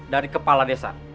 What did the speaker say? dari kepala desa